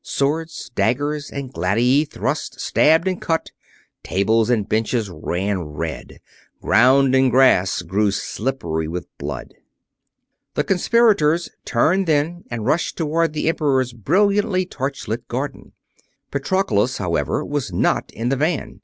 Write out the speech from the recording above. Swords, daggers, and gladii thrust, stabbed, and cut. Tables and benches ran red; ground and grass grew slippery with blood. The conspirators turned then and rushed toward the Emperor's brilliantly torch lit garden. Patroclus, however, was not in the van.